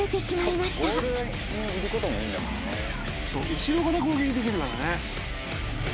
後ろから攻撃できるからね。